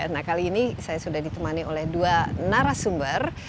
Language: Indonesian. nah kali ini saya sudah ditemani oleh dua narasumber